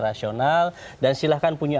rasional dan silahkan punya